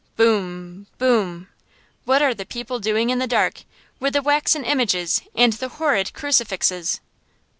Boom, boom! What are the people doing in the dark, with the waxen images and the horrid crucifixes?